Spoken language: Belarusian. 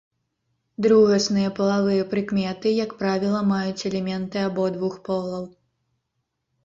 Другасныя палавыя прыкметы, як правіла, маюць элементы абодвух полаў.